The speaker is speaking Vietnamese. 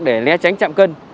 để lé tránh chạm cân